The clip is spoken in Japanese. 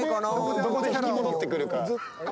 どこで戻ってくるか。